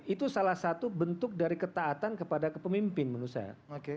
itu salah satu bentuk dari ketaatan kepada kepemimpin menurut saya